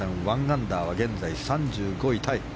１アンダーは現在、３５位タイ。